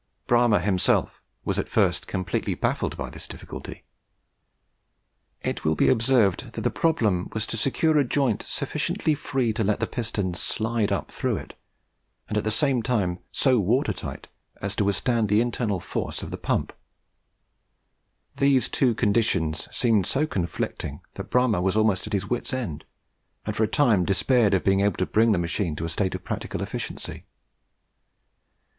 Bramah himself was at first completely baffled by this difficulty. It will be observed that the problem was to secure a joint sufficiently free to let the piston slide up through it, and at the same time so water tight as to withstand the internal force of the pump. These two conditions seemed so conflicting that Bramah was almost at his wit's end, and for a time despaired of being able to bring the machine to a state of practical efficiency.